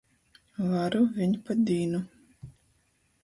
Varu viņ pa dīnu.